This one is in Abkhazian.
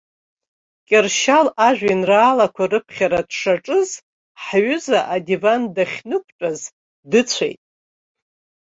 Кьыршьал ажәеинраалақәа рыԥхьара дшаҿыз, ҳҩыза адиван дахьнықәтәаз дыцәеит.